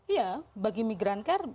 iya bagi migran care